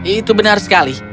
itu benar sekali